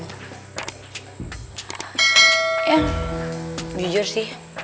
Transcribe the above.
yah jujur sih